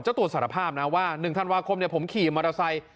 จะตรวจสารภาพนะว่า๑ธันวาคมเนี่ยผมขี่มอเตอร์ไซค์